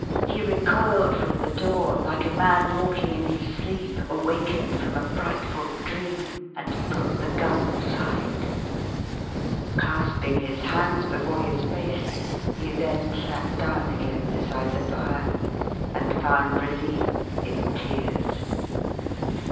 He recoiled from the door, like a man walking in his sleep, awakened from a frightful dream; and put the Gun aside. Clasping his hands before his face, he then sat down again beside the fire, and found relief in tears.